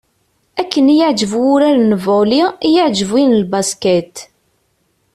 Akken i y-iεǧeb wurar n volley i y-iεǧeb win n basket.